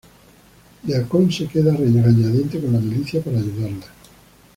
Deacon se queda a regañadientes con la milicia para ayudarla.